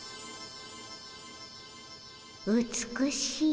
美しい。